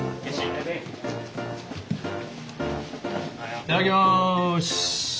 いただきます！